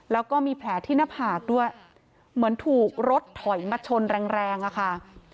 แล้วก็มีแผลที่หน้าผากด้วยเหมือนถูกรถถอยมาชนแรงแรงอะค่ะ